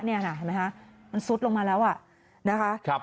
เห็นไหมคะมันซุดลงมาแล้วนะคะ